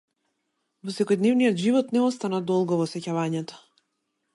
Во секојдневниот живот не остана долго во сеќавањето.